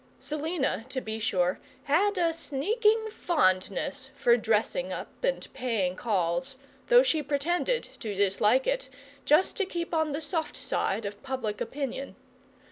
Selina, to be sure, had a sneaking fondness for dressing up and paying calls, though she pretended to dislike it, just to keep on the soft side of public opinion.